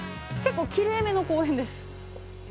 結構きれい目の公園です。